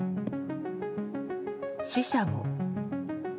死者も。